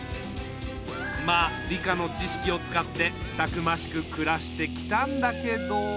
まあ理科の知識を使ってたくましくくらしてきたんだけど。